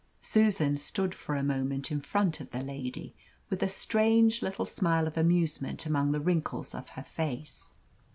Susan stood for a moment in front of the lady, with a strange little smile of amusement among the wrinkles of her face.